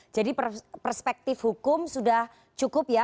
jadi perspektif hukum sudah cukup ya